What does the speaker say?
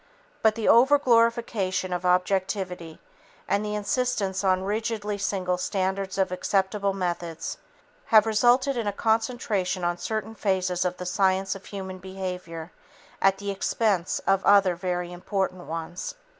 But the overglorification of objectivity and the insistence on rigidly single standards of acceptable methods have resulted in a concentration on certain phases of the science of human behavior at the expense of other very important ones."